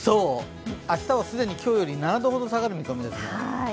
明日も既に今日より７度ほど下がる見込みです。